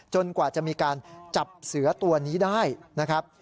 กว่าจะมีการจับเสือตัวนี้ได้นะครับ